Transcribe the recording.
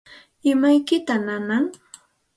¿Imaykitaq nanan?